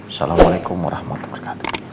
assalamualaikum warahmatullahi wabarakatuh